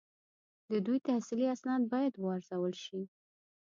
د دوی تحصیلي اسناد باید وارزول شي.